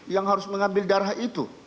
yang harus mengambil darah itu